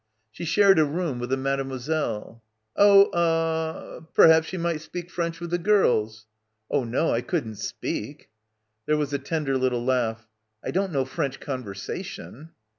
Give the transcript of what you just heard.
"She shared a room with the mademoiselle." "Oh — er — hee — hay — perhaps she might speak French with the gels." "Oh, no, I couldn't speak" There was a tender little laugh. "I don't know French conversation."